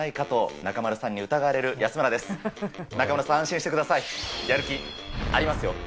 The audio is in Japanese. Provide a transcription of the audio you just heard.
中丸さん、安心してください、やる気ありますよ。